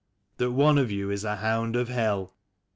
That one of you is a hound of hell